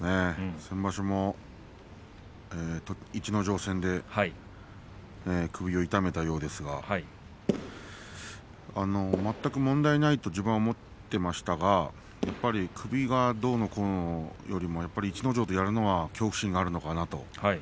先場所も、逸ノ城戦で首を痛めたようですが全く問題ないと自分は思っていましたがやっぱり首がどうのこうのよりも逸ノ城とやるのは恐怖心があるのかなと。